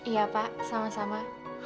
iya pak sama sama